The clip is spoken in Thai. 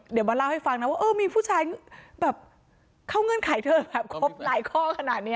เดี๋ยวมาเล่าให้ฟังนะว่าเออมีผู้ชายแบบเข้าเงื่อนไขเธอแบบครบหลายข้อขนาดนี้